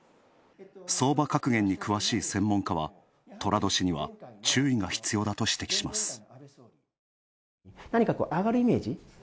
相場格言に詳しい専門家は、寅年には注意が必要だと指摘します。